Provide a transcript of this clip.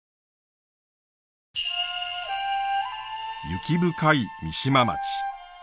雪深い三島町。